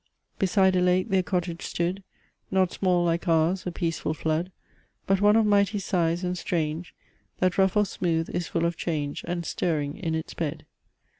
Beside a lake their cottage stood, Not small like our's, a peaceful flood; But one of mighty size, and strange; That, rough or smooth, is full of change, And stirring in its bed.